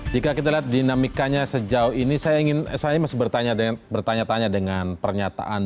jika kita lihat dinamikanya sejauh ini saya masih bertanya tanya dengan pernyataan